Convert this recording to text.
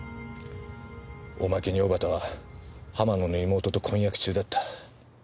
おまけに小幡は浜野の妹と婚約中だった。